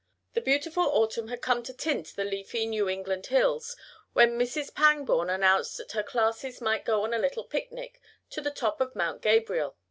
The beautiful autumn had come to tint the leafy New England hills, when Mrs. Pangborn announced that her classes might go on a little picnic to the top of Mount Gabriel.